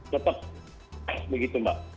tetap begitu mbak